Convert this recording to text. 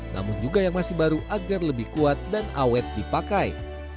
namun juga yang masih baru agar lebih kuat dan awet dipakai